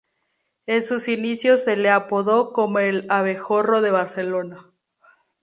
En sus inicios se le apodó como "el abejorro de Barcelona".